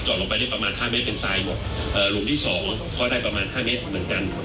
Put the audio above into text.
เจาะลงไปได้ประมาณห้าเมตรเป็นไซส์หมดเอ่อหลุมที่สองเขาได้ประมาณห้าเมตรเหมือนกัน